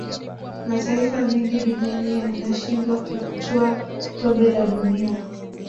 mataifa mengi duniani yanashindwa kutwaa kombe la dunia